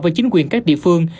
với chính quyền các địa phương